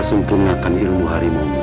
semprungakan ilmu hari memungkinkan